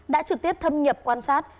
đã trực tiếp thâm nhập quan sát